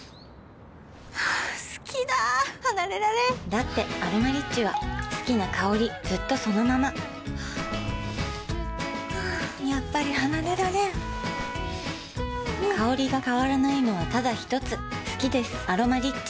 好きだ離れられんだって「アロマリッチ」は好きな香りずっとそのままやっぱり離れられん香りが変わらないのはただひとつ好きです「アロマリッチ」